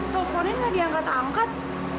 teleponnya nggak diangkat angkat